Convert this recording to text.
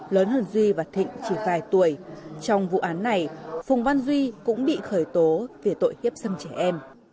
lớn hơn duy và thịnh chỉ vài tuổi trong vụ án này phùng văn duy cũng bị khởi tố về tội hiếp dâm trẻ em